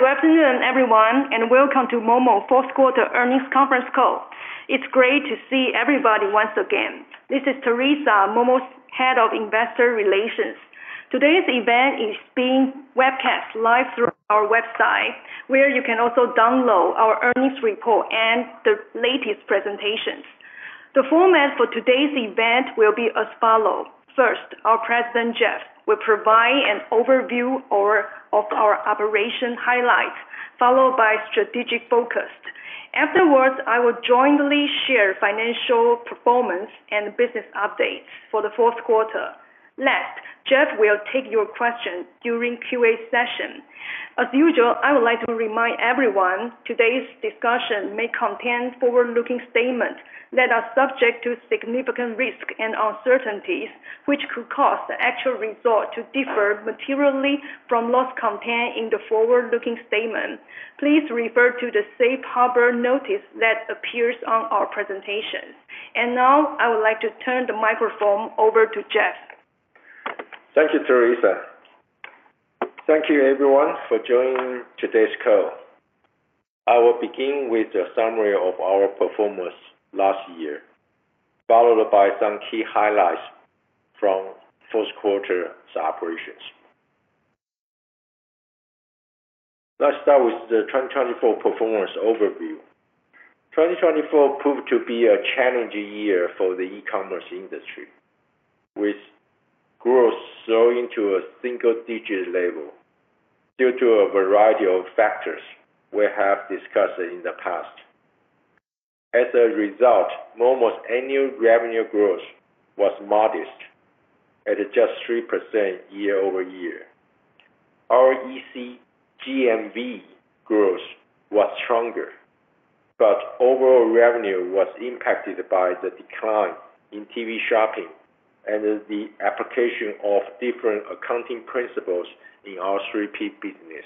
Hi, good afternoon everyone, and welcome to Momo Fourth Quarter Earnings Conference Call. It's great to see everybody once again. This is Terrisa, Momo's Head of Investor Relations. Today's event is being webcast live through our website, where you can also download our earnings report and the latest presentations. The format for today's event will be as follows. First, our President Jeff, will provide an overview of our operation highlights, followed by strategic focus. Afterwards, I will jointly share financial performance and business updates for the fourth quarter. Last, Jeff will take your questions during the Q&A session. As usual, I would like to remind everyone today's discussion may contain forward-looking statements that are subject to significant risk and uncertainties, which could cause the actual result to differ materially from what's contained in the forward-looking statement. Please refer to the safe harbor notice that appears on our presentation. Now, I would like to turn the microphone over to Jeff. Thank you, Terrisa. Thank you, everyone, for joining today's call. I will begin with a summary of our performance last year, followed by some key highlights from the fourth quarter's operations. Let's start with the 2024 performance overview. 2024 proved to be a challenging year for the e-commerce industry, with growth slowing to a single-digit level due to a variety of factors we have discussed in the past. As a result, Momo's annual revenue growth was modest, at just 3% year-over-year. Our EC GMV growth was stronger, but overall revenue was impacted by the decline in TV shopping and the application of different accounting principles in our 3P business.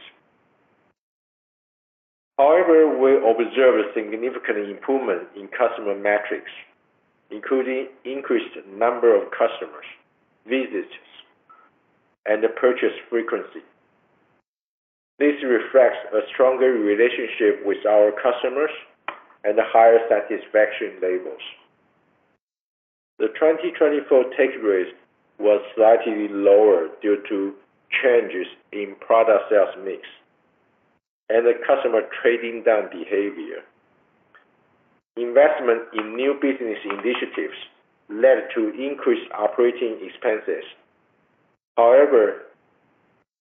However, we observed a significant improvement in customer metrics, including an increased number of customers, visitors, and purchase frequency. This reflects a stronger relationship with our customers and higher satisfaction levels. The 2024 take rate was slightly lower due to changes in product sales mix and customer trading down behavior. Investment in new business initiatives led to increased operating expenses. However,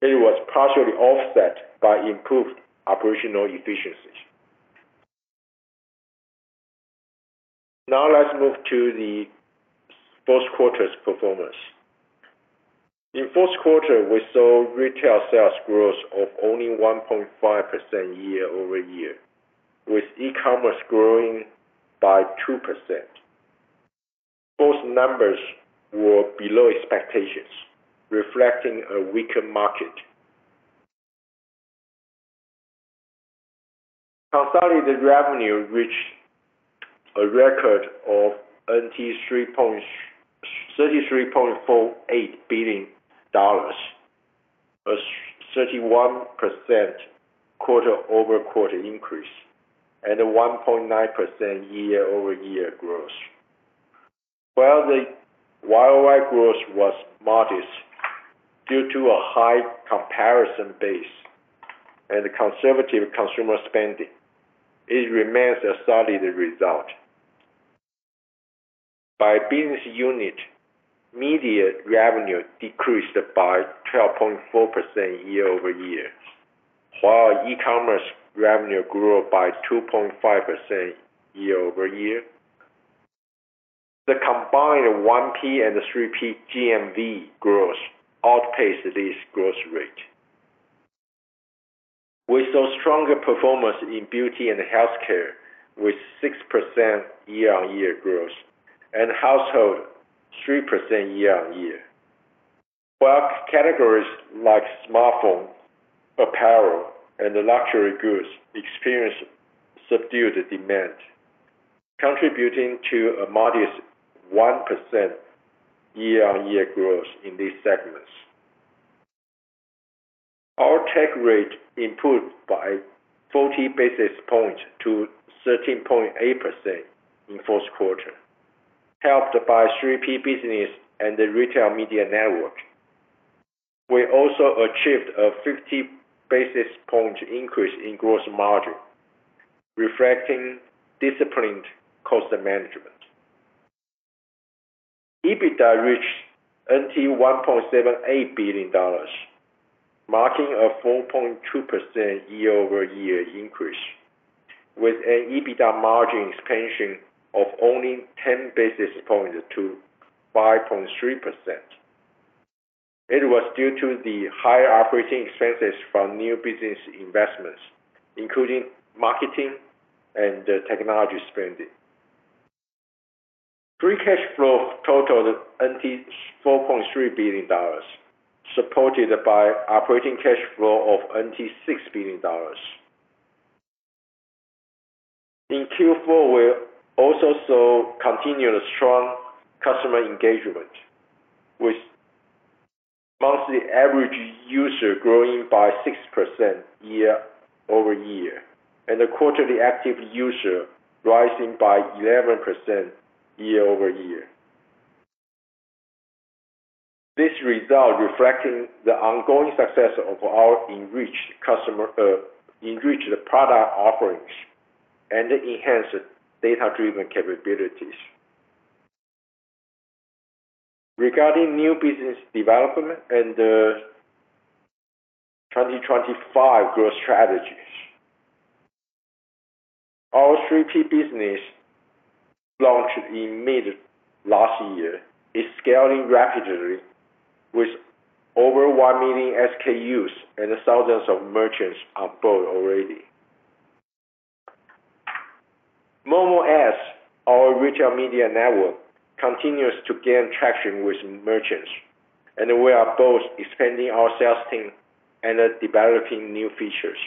it was partially offset by improved operational efficiencies. Now, let's move to the fourth quarter's performance. In the fourth quarter, we saw retail sales growth of only 1.5% year over year, with e-commerce growing by 2%. Both numbers were below expectations, reflecting a weaker market. Consolidated revenue reached a record of 33.48 billion dollars, a 31% quarter-over-quarter increase, and a 1.9% year-over-year growth. While the YY growth was modest due to a high comparison base and conservative consumer spending, it remains a solid result. By business unit, media revenue decreased by 12.4% year-over-year, while e-commerce revenue grew by 2.5% year-over-year. The combined 1P and 3P GMV growth outpaced this growth rate, with stronger performance in Beauty and Healthcare, with 6% year-over-year growth, and Household 3% year-over-year. While categories like smartphone, apparel, and luxury goods experienced subdued demand, contributing to a modest 1% year-over-year growth in these segments. Our take rate improved by 40 basis points to 13.8% in the fourth quarter, helped by 3P business and the retail media network. We also achieved a 50 basis point increase in gross margin, reflecting disciplined cost management. EBITDA reached TWD 1.78 billion, marking a 4.2% year-over-year increase, with an EBITDA margin expansion of only 10 basis points to 5.3%. It was due to the higher operating expenses from new business investments, including marketing and technology spending. Free cash flow totaled 4.3 billion NT dollars, supported by operating cash flow of 6 billion NT dollars. In Q4, we also saw continued strong customer engagement, with monthly average user growing by 6% year-over-year and quarterly active user rising by 11% year-over-year. This result reflects the ongoing success of our enriched product offerings and enhanced data-driven capabilities. Regarding new business development and 2025 growth strategies, our 3P business, launched in mid-last year, is scaling rapidly, with over one million SKUs and thousands of merchants on board already. momo Ads, our retail media network, continues to gain traction with merchants, and we are both expanding our sales team and developing new features.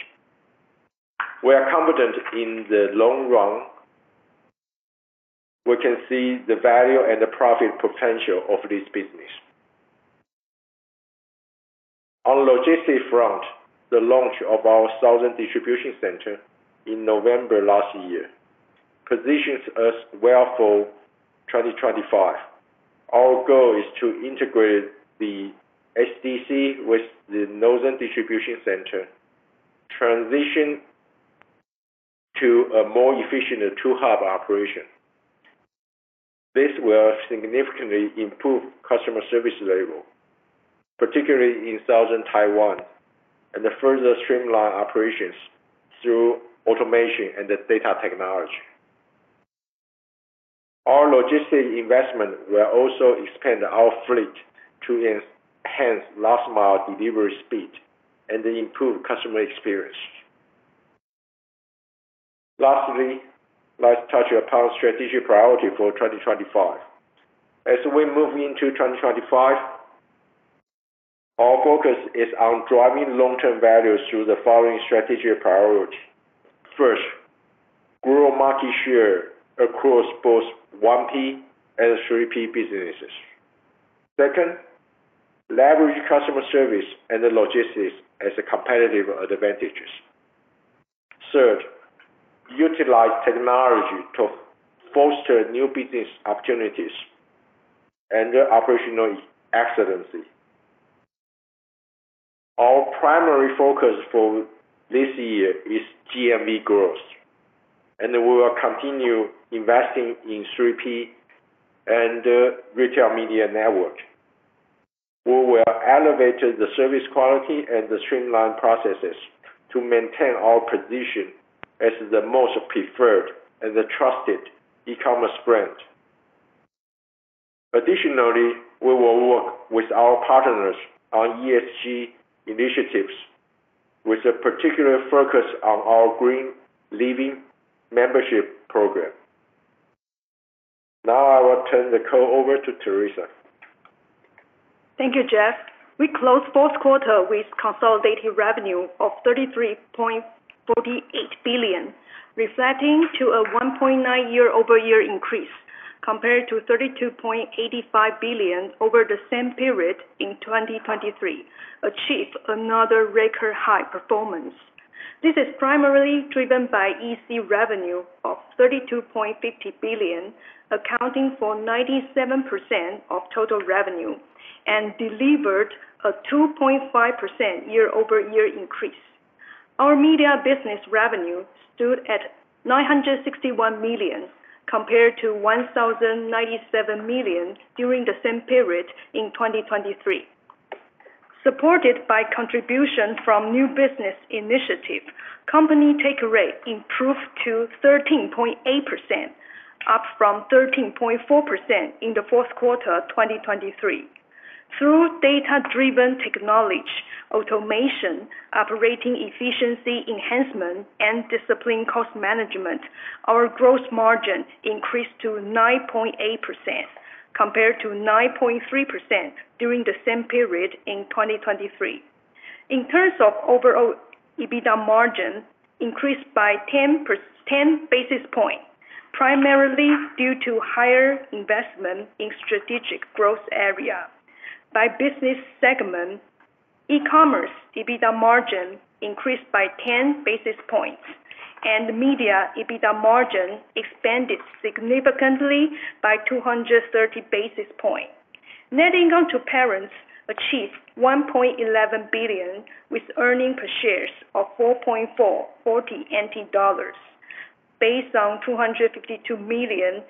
We are confident in the long run. We can see the value and the profit potential of this business. On the logistics front, the launch of our Southern Distribution Center in November last year positions us well for 2025. Our goal is to integrate the SDC with the Northern Distribution Center, transitioning to a more efficient two-hub operation. This will significantly improve customer service level, particularly in Southern Taiwan, and further streamline operations through automation and data technology. Our logistics investment will also expand our fleet to enhance last-mile delivery speed and improve customer experience. Lastly, let's touch upon strategic priorities for 2025. As we move into 2025, our focus is on driving long-term value through the following strategic priorities. First, grow market share across both 1P and 3P businesses. Second, leverage customer service and logistics as competitive advantages. Third, utilize technology to foster new business opportunities and operational excellence. Our primary focus for this year is GMV growth, and we will continue investing in 3P and retail media network. We will elevate the service quality and streamline processes to maintain our position as the most preferred and trusted e-commerce brand. Additionally, we will work with our partners on ESG initiatives, with a particular focus on our Green Life membership program. Now, I will turn the call over to Terrisa. Thank you, Jeff. We closed the fourth quarter with consolidated revenue of 33.48 billion, reflecting a 1.9% year-over-year increase compared to 32.85 billion over the same period in 2023, achieving another record-high performance. This is primarily driven by EC revenue of 32.50 billion, accounting for 97% of total revenue, and delivered a 2.5% year-over-year increase. Our media business revenue stood at 961 million compared to 1,097 million during the same period in 2023. Supported by contributions from new business initiatives, company take rate improved to 13.8%, up from 13.4% in the fourth quarter of 2023. Through data-driven technology, automation, operating efficiency enhancement, and disciplined cost management, our gross margin increased to 9.8% compared to 9.3% during the same period in 2023. In terms of overall EBITDA margin, it increased by 10 basis points, primarily due to higher investment in strategic growth areas. By business segment, e-commerce EBITDA margin increased by 10 basis points, and media EBITDA margin expanded significantly by 230 basis points. Net income to parent achieved 1.11 billion, with earnings per share of 4.440 NT dollars, based on 252 million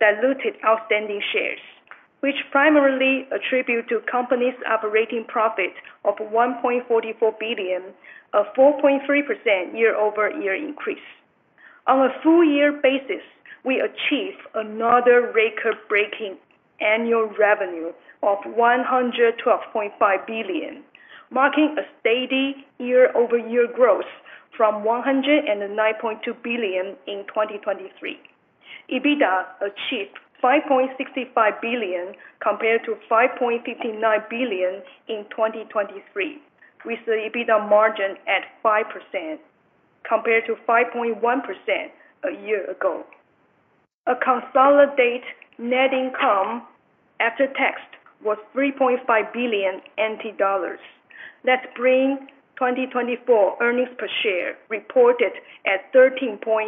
diluted outstanding shares, which primarily attributes to the company's operating profit of 1.44 billion, a 4.3% year-over-year increase. On a full-year basis, we achieved another record-breaking annual revenue of TWD 112.5 billion, marking a steady year-over-year growth from TWD 109.2 billion in 2023. EBITDA achieved TWD 5.65 billion compared to TWD 5.59 billion in 2023, with the EBITDA margin at 5% compared to 5.1% a year ago. A consolidated net income after-tax was 3.5 billion NT dollars. Let's bring 2024 earnings per share reported at 13.69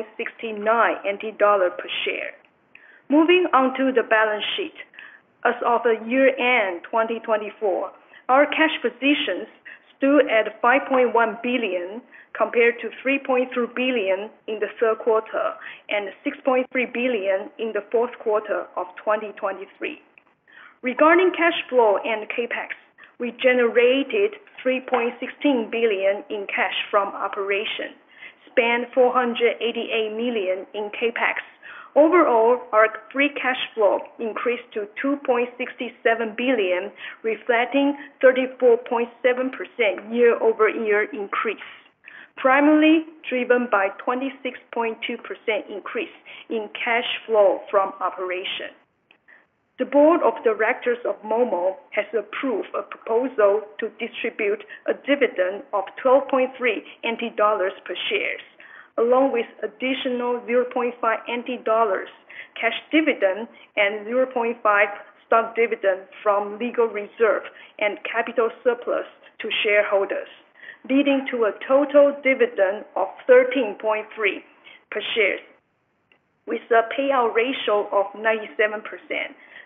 per share. Moving on to the balance sheet, as of year-end 2024, our cash positions stood at 5.1 billion compared to 3.3 billion in the third quarter and 6.3 billion in the fourth quarter of 2023. Regarding cash flow and CAPEX, we generated 3.16 billion in cash from operations, spent 488 million in CAPEX. Overall, our free cash flow increased to 2.67 billion, reflecting a 34.7% year-over-year increase, primarily driven by a 26.2% increase in cash flow from operations. The Board of Directors of Momo has approved a proposal to distribute a dividend of 12.30 NT dollars per share, along with an additional 0.50 NT dollars cash dividend and 0.50 stock dividend from legal reserve and capital surplus to shareholders, leading to a total dividend of 13.30 per share, with a payout ratio of 97%.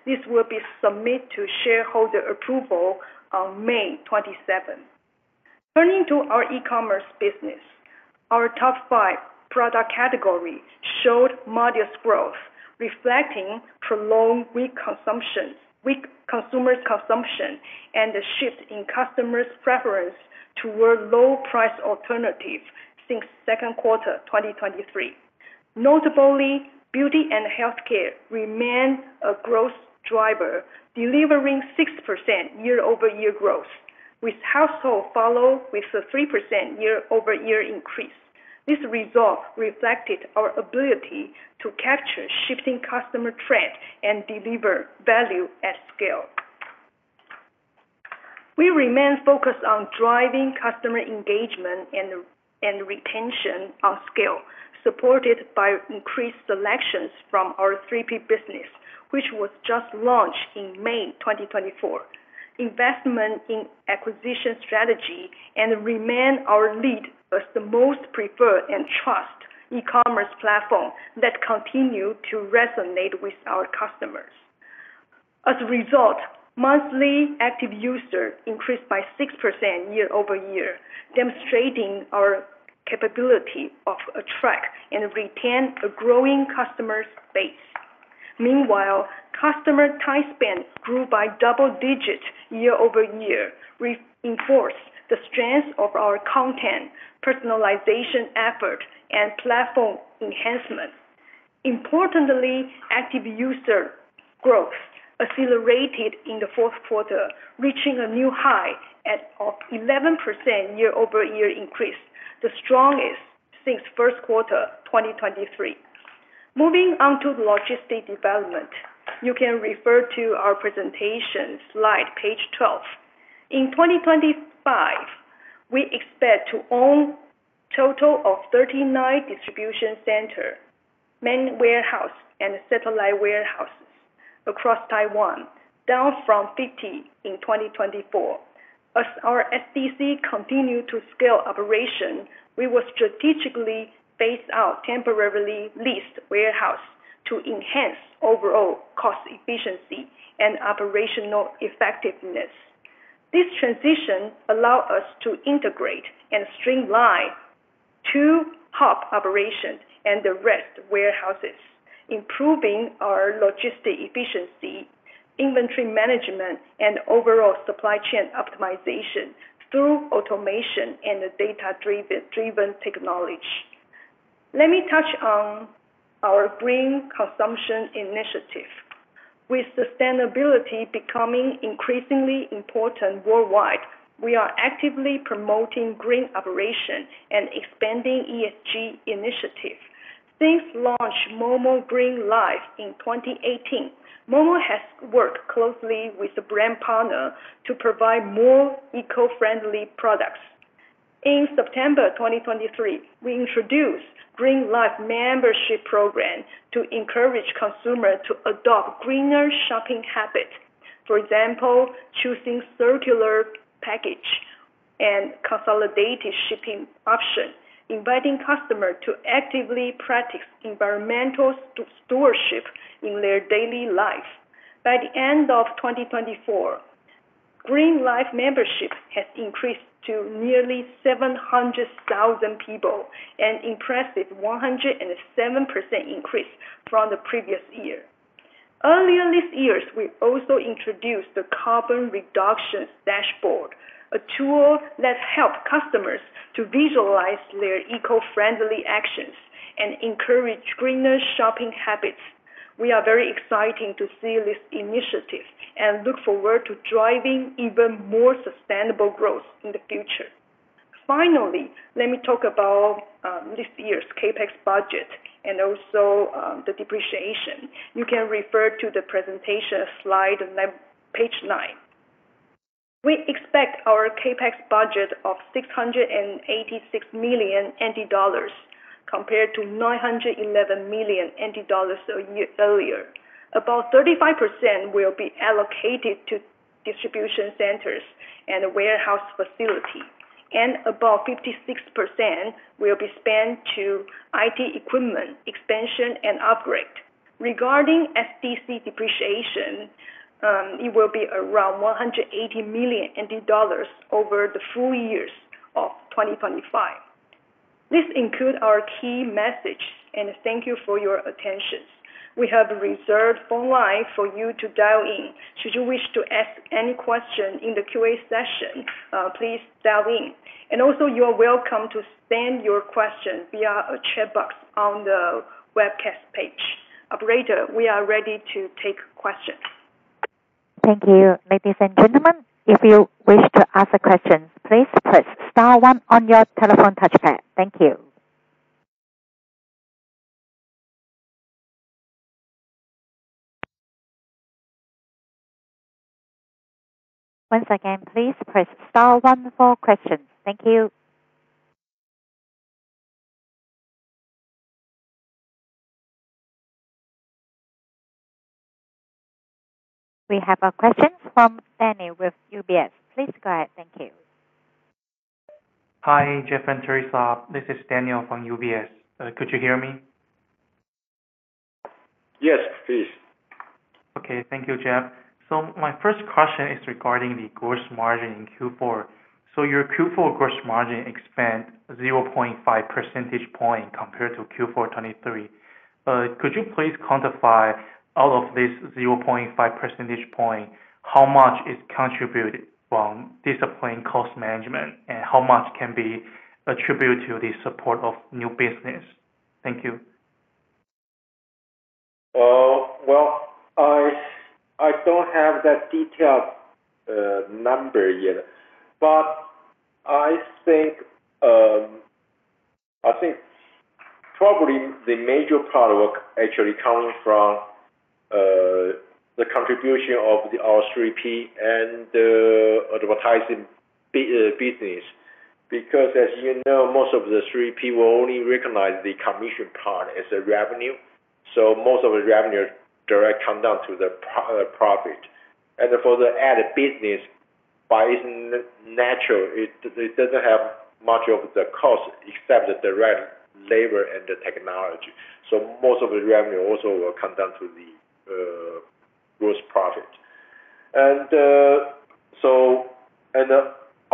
This will be submitted to shareholder approval on May 27. Turning to our e-commerce business, our top five product categories showed modest growth, reflecting prolonged weak consumer consumption and a shift in customers' preference toward low-price alternatives since the second quarter of 2023. Notably, beauty and healthcare remained a growth driver, delivering 6% year-over-year growth, with Households following with a 3% year-over-year increase. This result reflected our ability to capture shifting customer trends and deliver value at scale. We remain focused on driving customer engagement and retention on scale, supported by increased selections from our 3P business, which was just launched in May 2024. Investment in acquisition strategy remains our lead as the most preferred and trusted e-commerce platform that continues to resonate with our customers. As a result, monthly active users increased by 6% year-over-year, demonstrating our capability to attract and retain a growing customer base. Meanwhile, customer time spent grew by double digits year-over-year, reinforcing the strength of our content personalization efforts and platform enhancements. Importantly, active user growth accelerated in the fourth quarter, reaching a new high of 11% year-over-year increase, the strongest since the first quarter of 2023. Moving on to logistics development, you can refer to our presentation slide, page 12. In 2025, we expect to own a total of 39 distribution centers, main warehouses, and satellite warehouses across Taiwan, down from 50 in 2024. As our SDC continues to scale operations, we will strategically phase out temporarily leased warehouses to enhance overall cost efficiency and operational effectiveness. This transition allows us to integrate and streamline two hub operations and the rest of the warehouses, improving our logistics efficiency, inventory management, and overall supply chain optimization through automation and data-driven technology. Let me touch on our green consumption initiative. With sustainability becoming increasingly important worldwide, we are actively promoting green operations and expanding ESG initiatives. Since launching Momo Green Life in 2018, Momo has worked closely with a brand partner to provide more eco-friendly products. In September 2023, we introduced the Green Life membership program to encourage consumers to adopt greener shopping habits, for example, choosing circular packaging and consolidated shipping options, inviting customers to actively practice environmental stewardship in their daily lives. By the end of 2024, Green Life membership has increased to nearly 700,000 people, an impressive 107% increase from the previous year. Earlier this year, we also introduced the Carbon Reduction Dashboard, a tool that helps customers to visualize their eco-friendly actions and encourage greener shopping habits. We are very excited to see this initiative and look forward to driving even more sustainable growth in the future. Finally, let me talk about this year's CAPEX budget and also the depreciation. You can refer to the presentation slide, page 9. We expect our CAPEX budget of 686 million NT dollars compared to 911 million NT dollars earlier. About 35% will be allocated to distribution centers and warehouse facilities, and about 56% will be spent on IT equipment expansion and upgrades. Regarding SDC depreciation, it will be around 180 million dollars over the full years of 2025. This concludes our key message, and thank you for your attention. We have reserved phone lines for you to dial in. Should you wish to ask any questions in the Q&A session, please dial in. Also, you are welcome to send your questions via a chat box on the webcast page. Operator, we are ready to take questions. Thank you, ladies and gentlemen. If you wish to ask a question, please press star one on your telephone touchpad. Thank you. Once again, please press star one for questions. Thank you. We have a question from Daniel with UBS. Please go ahead. Thank you. Hi, Jeff and Terrisa. This is Daniel from UBS. Could you hear me? Yes, please. Okay. Thank you, Jeff. So my first question is regarding the gross margin in Q4. So your Q4 gross margin expanded 0.5 percentage points compared to Q4 2023. Could you please quantify, out of this 0.5 percentage points, how much is contributed from disciplined cost management, and how much can be attributed to the support of new business? Thank you. I don't have that detailed number yet, but I think probably the major part of it actually comes from the contribution of our 3P and the advertising business, because, as you know, most of the 3P will only recognize the commission part as revenue. Most of the revenue directly comes down to the profit. For the ad business, by its nature, it doesn't have much of the cost except the direct labor and the technology. Most of the revenue also will come down to the gross profit.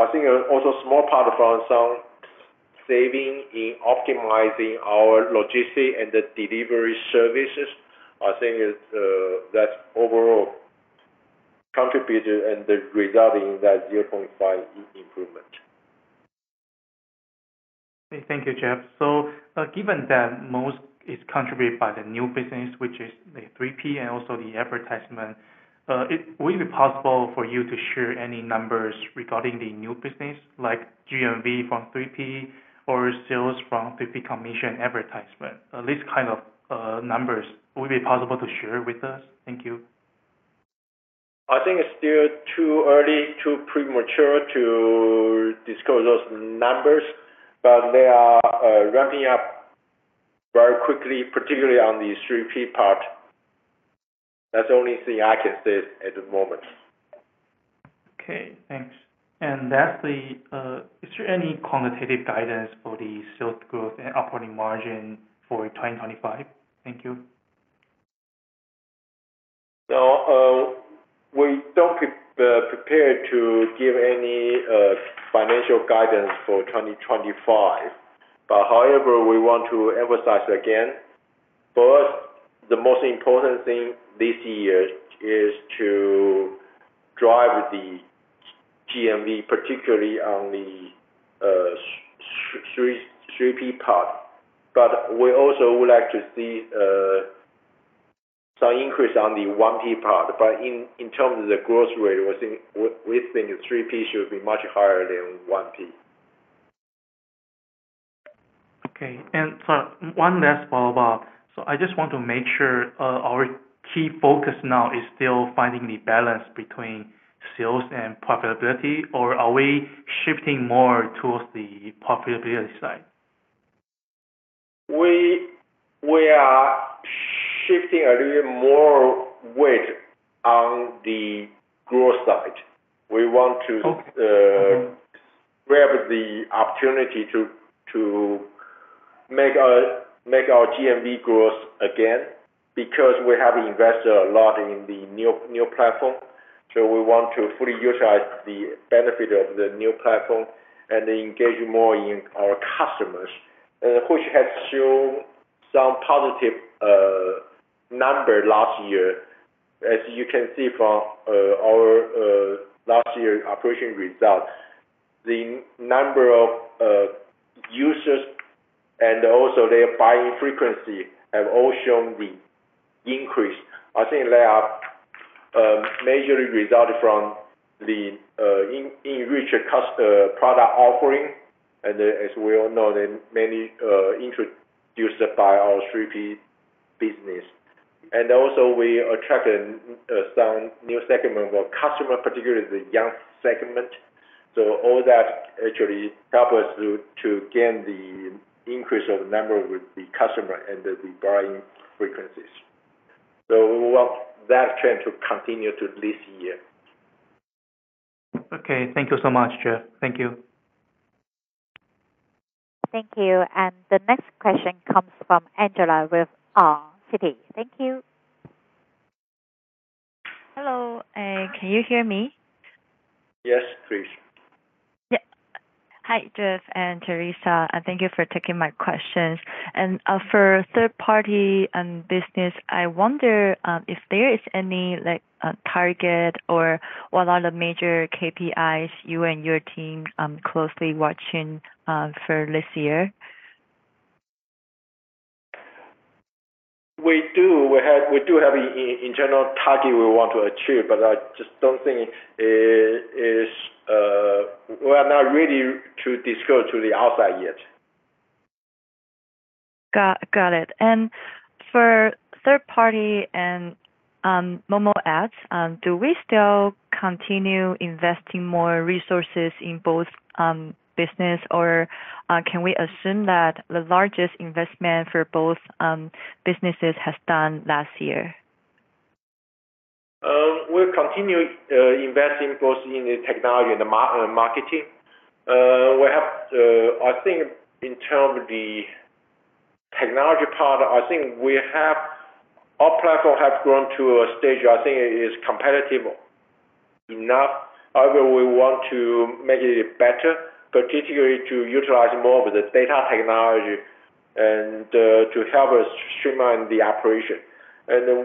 I think also a small part from some savings in optimizing our logistics and the delivery services. That's overall what contributed and resulted in that 0.5 improvement. Okay. Thank you, Jeff. So given that most is contributed by the new business, which is the 3P and also the advertisement, would it be possible for you to share any numbers regarding the new business, like GMV from 3P or sales from 3P commission advertisement? These kinds of numbers, would it be possible to share with us? Thank you. I think it's still too early, too premature to disclose those numbers, but they are ramping up very quickly, particularly on the 3P part. That's the only thing I can say at the moment. Okay. Thanks, and lastly, is there any quantitative guidance for the sales growth and operating margin for 2025? Thank you. So we don't prepare to give any financial guidance for 2025. But however, we want to emphasize again, for us, the most important thing this year is to drive the GMV, particularly on the 3P part. But we also would like to see some increase on the 1P part. But in terms of the gross rate, we think the 3P should be much higher than 1P. Okay. And one last follow-up. So I just want to make sure our key focus now is still finding the balance between sales and profitability, or are we shifting more towards the profitability side? We are shifting a little bit more weight on the growth side. We want to grab the opportunity to make our GMV growth again because we have invested a lot in the new platform. So we want to fully utilize the benefit of the new platform and engage more in our customers, which has shown some positive numbers last year. As you can see from our last year's operation results, the number of users and also their buying frequency have all shown the increase. I think that majorly resulted from the enriched product offering, and as we all know, they're mainly introduced by our 3P business. And also, we attracted some new segments of customers, particularly the young segment. So all that actually helped us to gain the increase of the number of the customers and the buying frequencies. So we want that trend to continue this year. Okay. Thank you so much, Jeff. Thank you. Thank you. And the next question comes from Angela with Citi. Thank you. Hello. Can you hear me? Yes, please. Yeah. Hi, Jeff and Terrisa. Thank you for taking my questions. And for third-party business, I wonder if there is any target or what are the major KPIs you and your team are closely watching for this year? We do. We do have internal targets we want to achieve, but I just don't think we are not ready to disclose to the outside yet. Got it. And for third-party and Momo Ads, do we still continue investing more resources in both businesses, or can we assume that the largest investment for both businesses has done last year? We'll continue investing both in the technology and the marketing. I think in terms of the technology part, I think our platform has grown to a stage I think it is competitive enough. However, we want to make it better, particularly to utilize more of the data technology and to help us streamline the operation, and the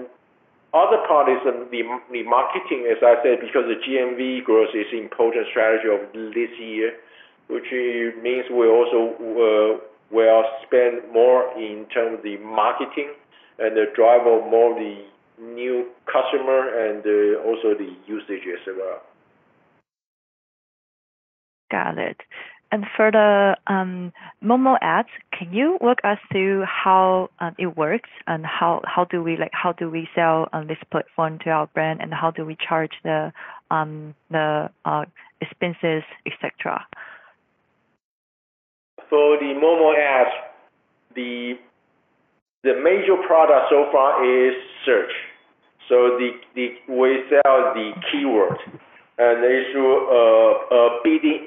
other part is the marketing, as I said, because the GMV growth is an important strategy of this year, which means we also will spend more in terms of the marketing and drive more of the new customers and also the usage as well. Got it. And for the Momo Ads, can you walk us through how it works, and how do we sell on this platform to our brand, and how do we charge the expenses, etc.? For the Momo Ads, the major product so far is search, so we sell the keyword, and they use a bidding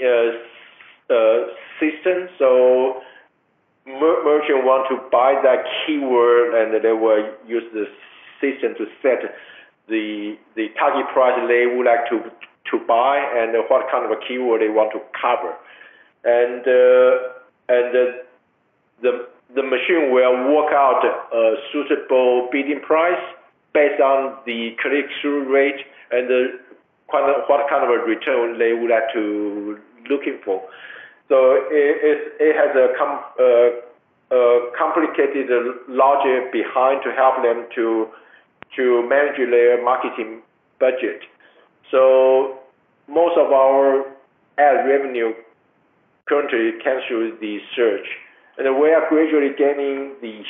system, so merchants want to buy that keyword, and they will use the system to set the target price they would like to buy and what kind of a keyword they want to cover, and the machine will work out a suitable bidding price based on the click-through rate and what kind of a return they would like to look for, so it has a complicated logic behind to help them to manage their marketing budget, so most of our ad revenue currently comes through the search, and we are gradually gaining the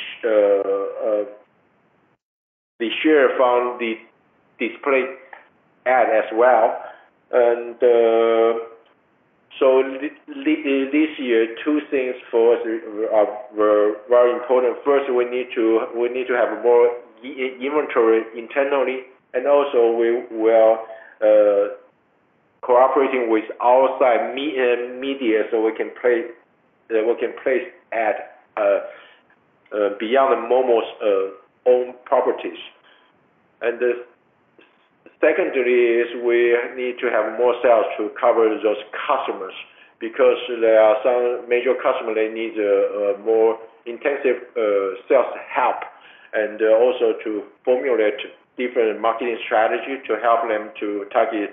share from the display ad as well, and so this year, two things for us were very important. First, we need to have more inventory internally, and also we are cooperating with outside media so we can place ads beyond Momo's own properties. And secondly, we need to have more sales to cover those customers because there are some major customers that need more intensive sales help and also to formulate different marketing strategies to help them to target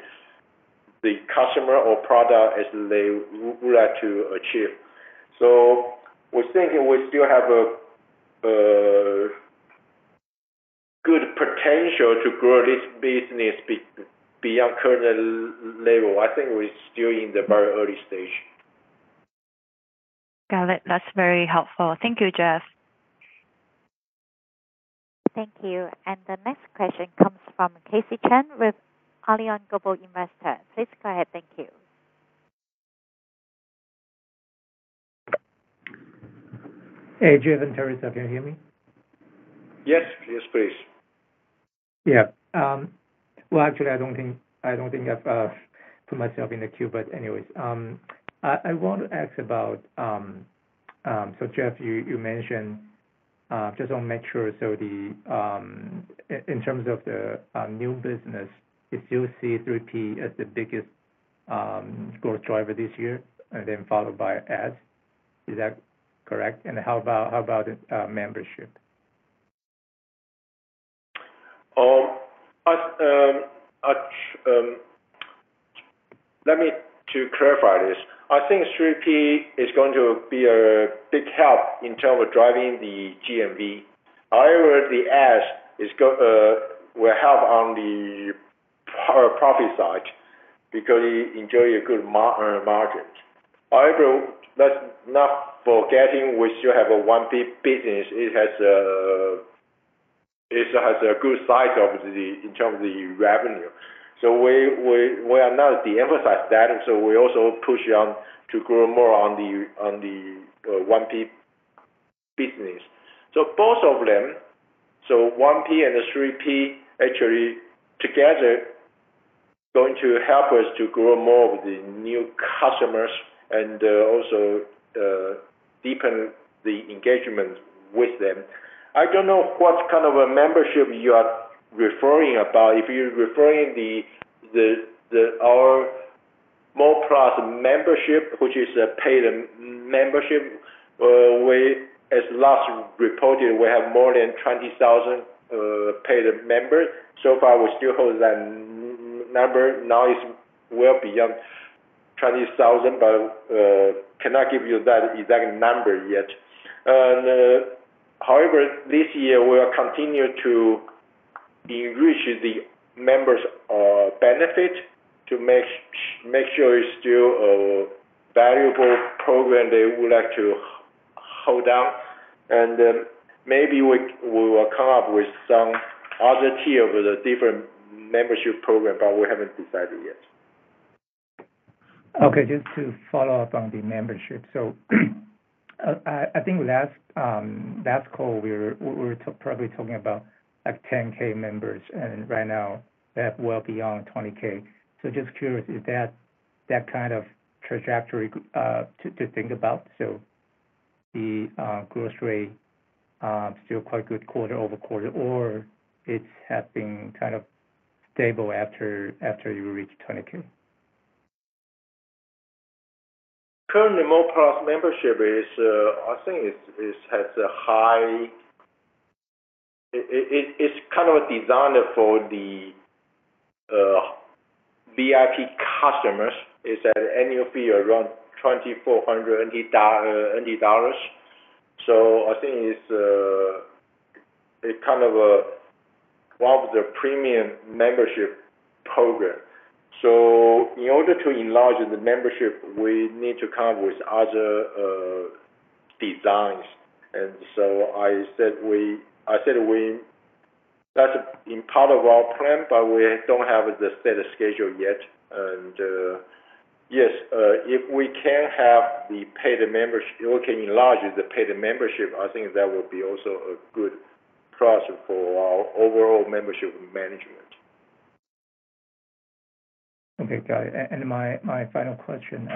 the customer or product as they would like to achieve. So we think we still have good potential to grow this business beyond current level. I think we're still in the very early stage. Got it. That's very helpful. Thank you, Jeff. Thank you. And the next question comes from Curtis Chan with Allianz Global Investors. Please go ahead. Thank you. Hey, Jeff and Terrisa. Can you hear me? Yes, please. Yeah. Well, actually, I don't think I've put myself in the queue, but anyways. I want to ask about so Jeff, you mentioned just to make sure, so in terms of the new business, you still see 3P as the biggest growth driver this year, and then followed by ads. Is that correct? And how about membership? Let me clarify this. I think 3P is going to be a big help in terms of driving the GMV. However, the ads will help on the profit side because you enjoy a good margin. However, not forgetting we still have a 1P business. It has a good size in terms of the revenue. So we are not de-emphasizing that. So we also push on to grow more on the 1P business. So both of them, so 1P and 3P, actually together, are going to help us to grow more of the new customers and also deepen the engagement with them. I don't know what kind of a membership you are referring about. If you're referring to our momo plus membership, which is a paid membership, as last reported, we have more than 20,000 paid members. So far, we still hold that number. Now it's well beyond 20,000, but I cannot give you that exact number yet. However, this year, we will continue to enrich the members' benefit to make sure it's still a valuable program they would like to hold on. And maybe we will come up with some other tier of the different membership program, but we haven't decided yet. Okay. Just to follow up on the membership. So I think last call, we were probably talking about 10K members, and right now, they have well beyond 20K. So just curious, is that kind of trajectory to think about? So the growth rate is still quite good quarter over quarter, or it's been kind of stable after you reach 20K? Currently, Momo+ membership, I think it has a high. It's kind of designed for the VIP customers. It's an annual fee around 2,400 NT dollars. So I think it's kind of one of the premium membership programs. So in order to enlarge the membership, we need to come up with other designs. And so I said that's part of our plan, but we don't have the set schedule yet. And yes, if we can have the paid membership, we can enlarge the paid membership. I think that would be also a good plus for our overall membership management. Okay. Got it. And my final question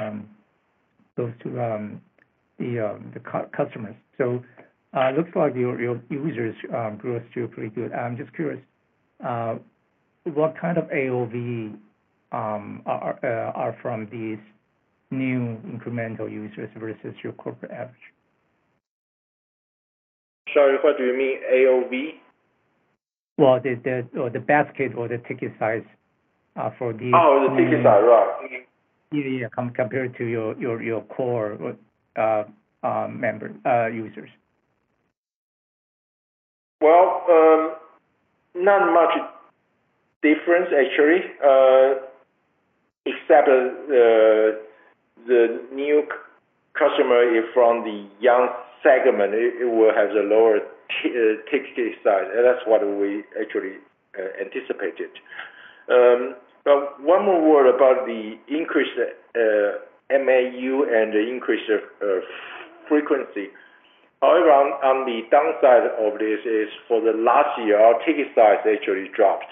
goes to the customers. So it looks like your users' growth is still pretty good. I'm just curious, what kind of AOV are from these new incremental users versus your corporate average? Sorry, what do you mean? AOV? The basket or the ticket size for the. Oh, the ticket size. Right. Yeah, yeah. Compared to your core users. Not much difference, actually, except the new customer is from the young segment. It will have a lower ticket size. That's what we actually anticipated. But one more word about the increased MAU and the increased frequency. However, on the downside of this is for the last year, our ticket size actually dropped.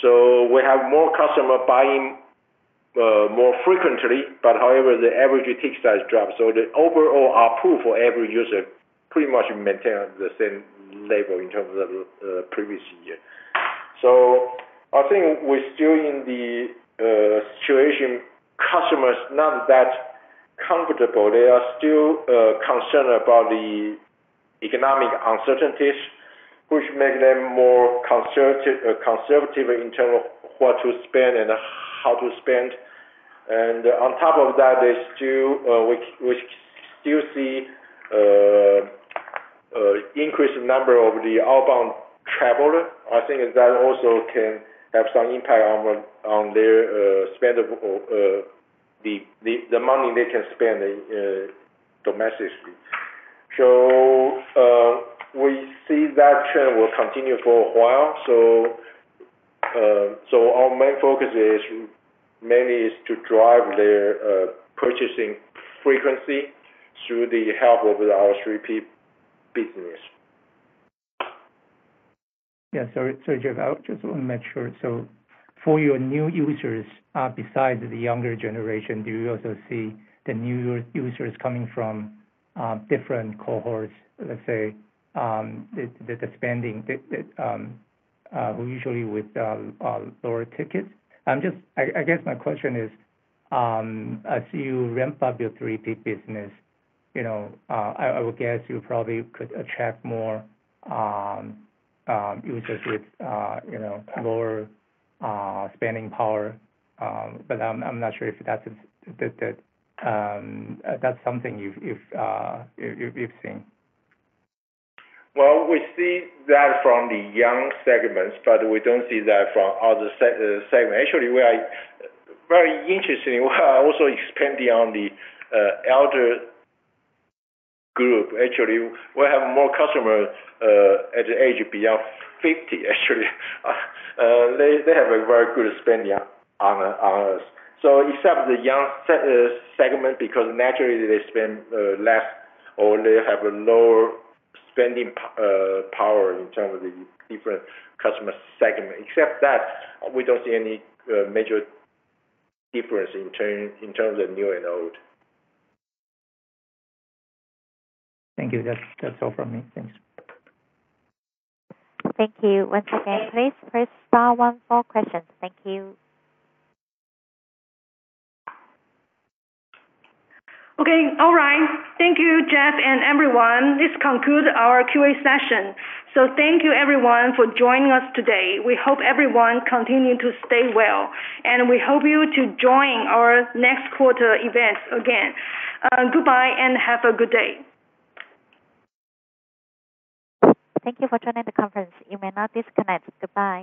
So we have more customers buying more frequently, but however, the average ticket size dropped. So the overall AOV for every user pretty much maintained the same level in terms of the previous year. So I think we're still in the situation customers are not that comfortable. They are still concerned about the economic uncertainties, which makes them more conservative in terms of what to spend and how to spend. And on top of that, we still see an increased number of the outbound travelers. I think that also can have some impact on their spend of the money they can spend domestically. So we see that trend will continue for a while. So our main focus mainly is to drive their purchasing frequency through the help of our 3P business. Yeah. Sorry, Jeff. I just want to make sure. So for your new users, besides the younger generation, do you also see the new users coming from different cohorts, let's say the spending, usually with lower tickets? I guess my question is, as you ramp up your 3P business, I would guess you probably could attract more users with lower spending power. But I'm not sure if that's something you've seen. Well, we see that from the young segments, but we don't see that from other segments. Actually, we are very interested in also expanding on the elder group. Actually, we have more customers at the age beyond 50, actually. They have a very good spending on us. So except the young segment, because naturally, they spend less or they have a lower spending power in terms of the different customer segment. Except that, we don't see any major difference in terms of the new and old. Thank you. That's all from me. Thanks. Thank you. Once again, please press star one for questions. Thank you. Okay. All right. Thank you, Jeff, and everyone. This concludes our Q&A session. So thank you, everyone, for joining us today. We hope everyone continues to stay well, and we hope you join our next quarter events again. Goodbye and have a good day. Thank you for joining the conference. You may not disconnect. Goodbye.